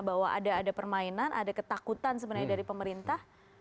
bahwa ada permainan ada ketakutan sebenarnya dari pemerintah